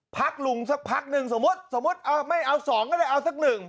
พัดลุงปัก๑สมมติสมมติไม่เอา๒ก็ได้เอา๑